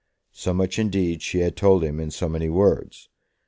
So much indeed she had told him in so many words.